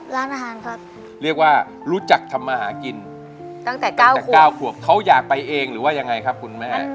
ทำงานตั้งแต่๙ขวบเขายากไปเองหรือยังไงครับคุณแม่